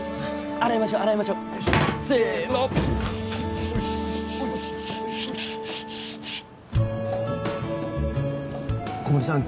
洗いましょ洗いましょせーの小森さん